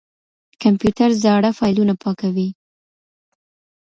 کمپيوټر زاړه فايلونه پاکوي.